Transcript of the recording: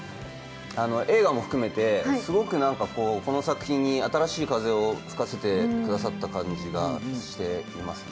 映画も含めて、すごくこの作品に新しい風を吹かせてくださった感じがしますね。